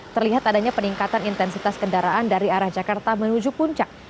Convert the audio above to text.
terlihat adanya peningkatan intensitas kendaraan dari arah jakarta menuju puncak